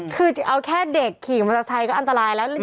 คือเอาแค่เด็กขี่มาสะท้ายก็อันตรายแล้ว